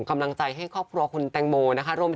ก็อยากให้ทุกคนจำความสวยงามของพี่